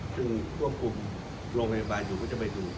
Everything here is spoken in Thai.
ซึ่งควบคุมโรงพยาบาลอยู่ก็จะไปดู